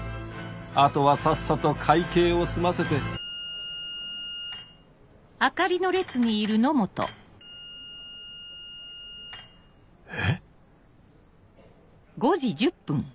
あとはさっさと会計を済ませてえっ？